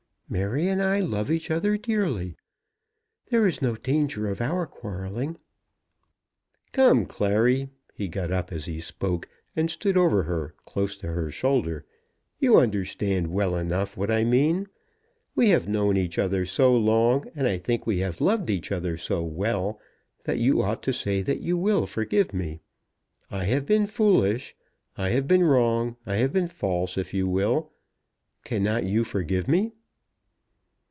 Mary and I love each other dearly. There is no danger of our quarrelling." "Come, Clary," he got up as he spoke, and stood over her, close to her shoulder, "you understand well enough what I mean. We have known each other so long, and I think we have loved each other so well, that you ought to say that you will forgive me. I have been foolish. I have been wrong. I have been false, if you will. Cannot you forgive me?"